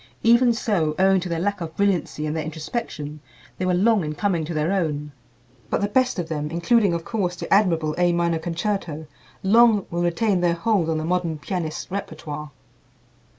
Even so, owing to their lack of brilliancy and their introspection, they were long in coming to their own. But the best of them, including, of course, the admirable "A Minor Concerto," long will retain their hold on the modern pianist's repertoire.